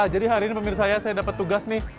jadi hari ini pemirsa saya dapat tugas nih